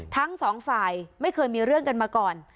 ทั้งสองฝ่ายไม่เคยมีเรื่องกันมาก่อน